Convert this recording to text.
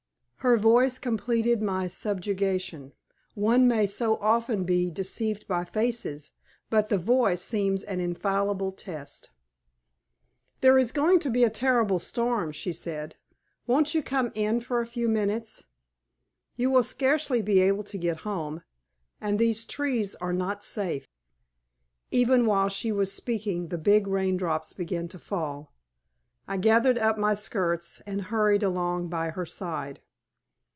Her voice completed my subjugation. One may so often be deceived by faces, but the voice seems an infallible test. "There is going to be a terrible storm," she said. "Won't you come in for a few minutes? You will scarcely be able to get home, and these trees are not safe." Even while she was speaking the big rain drops began to fall. I gathered up my skirts, and hurried along by her side.